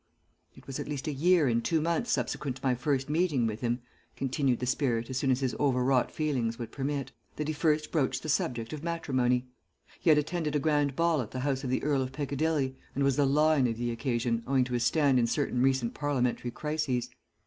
"It was at least a year and two months subsequent to my first meeting with him," continued the spirit as soon as his overwrought feelings would permit, "that he first broached the subject of matrimony. He had attended a grand ball at the house of the Earl of Piccadilly and was the lion of the occasion owing to his stand in certain recent Parliamentary crises.